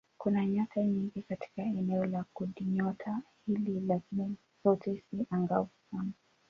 Kuna nyota nyingi katika eneo la kundinyota hili lakini zote si angavu sana.